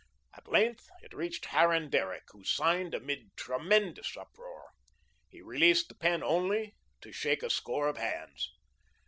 At length, it reached Harran Derrick, who signed amid tremendous uproar. He released the pen only to shake a score of hands.